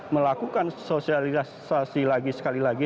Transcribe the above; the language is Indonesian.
melakukan sosialisasi lagi sekali lagi